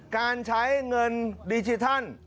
การใช้เงินดิจิทัล